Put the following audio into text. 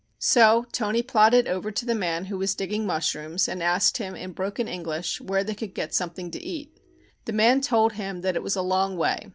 So Toni plodded over to the man who was digging mushrooms and asked him in broken English where they could get something to eat. The man told him that it was a long way.